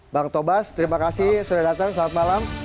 bang taufik bas terima kasih sudah datang selamat malam